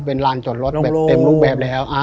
เป็นร้านจอดรถโร่งแบบแล้ว